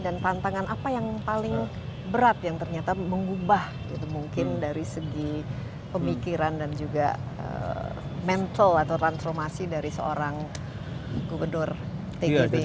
dan tantangan apa yang paling berat yang ternyata mengubah mungkin dari segi pemikiran dan juga mental atau transformasi dari seorang gubernur tgb